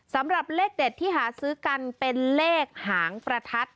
สำหรับเลขเด็ดที่หาซื้อกันเป็นเลขหางประทัด